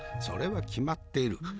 それは決まっている。